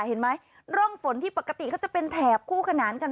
เห็นไหมร่องฝนที่ปกติเขาจะเป็นแถบคู่ขนานกัน